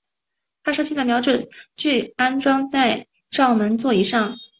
发射器的瞄准具安装在照门座以上。